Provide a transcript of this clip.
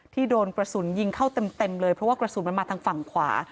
โดนกระสุนยิงเข้าเต็มเลยเพราะว่ากระสุนมันมาทางฝั่งขวา